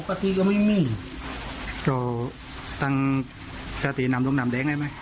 ประตีก็ไม่มีเหรอตรงทางกลางหรือหลงหมูหน่ำแดงได้ไหม